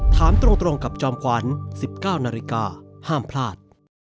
ถามตรงกับจอมขวัญ๑๙นาฬิกาห้ามพลาด